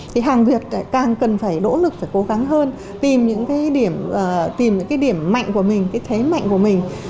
thì hàng việt càng cần phải đỗ lực phải cố gắng hơn tìm những cái điểm mạnh của mình cái thế mạnh của mình